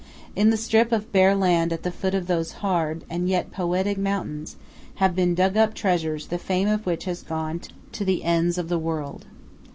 In the strip of bare land at the foot of those hard, and yet poetic mountains, have been dug up treasures the fame of which has gone to the ends of the world.